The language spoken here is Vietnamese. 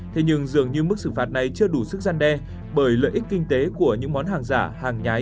thế nhưng dường như mức xử phạt này chưa đủ sức gian đe bởi lợi ích kinh tế của những món hàng giả hàng nhái